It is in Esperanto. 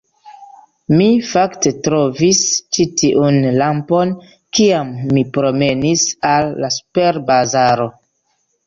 Mi, fakte, trovis ĉi tiun lampon kiam mi promenis al la superbazaro